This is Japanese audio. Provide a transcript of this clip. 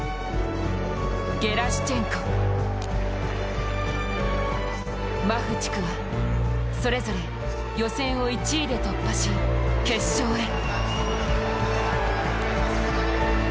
ゲラシュチェンコ、マフチクはそれぞれ予選を１位で突破し、決勝へ。